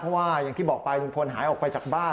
เพราะว่าอย่างที่บอกไปลุงพลหายออกไปจากบ้าน